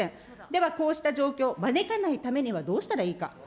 では、こうした状況、招かないためにはどうしたらいいか。